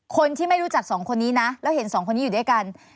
คนที่ไม่รู้จักสองคนนี้นะแล้วเห็นสองคนนี้อยู่ด้วยกัน